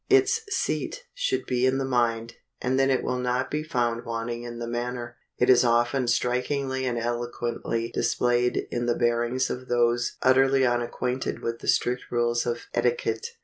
Its seat should be in the mind, and then it will not be found wanting in the manner. It is often strikingly and eloquently displayed in the bearings of those utterly unacquainted with the strict rules of etiquette.